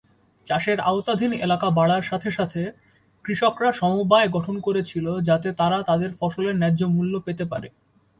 চাষের আওতাধীন এলাকা বাড়ার সাথে সাথে, কৃষকরা সমবায় গঠন করেছিল যাতে তারা তাদের ফসলের ন্যায্য মূল্য পেতে পারে।